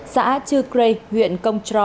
xã chư crê huyện công tro